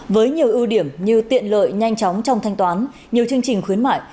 với nhiều ưu điểm như tiện lợi nhanh chóng trong thanh toán nhiều chương trình khuyến mại